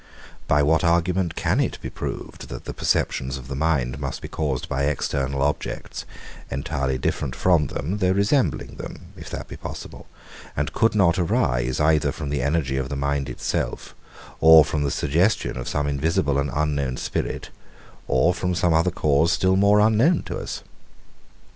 By what argument can it be proved, that the perceptions of the mind must be caused by external objects, entirely different from them, though resembling them (if that be possible) and could not arise either from the energy of the mind itself, or from the suggestion of some invisible and unknown spirit, or from some other cause still more unknown to us?